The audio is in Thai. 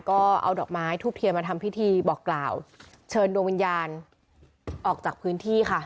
ก็เอาดอกไม้ทูบเทียนมาทำพิธีบอกกล่าวเชิญดวงวิญญาณออกจากพื้นที่ค่ะ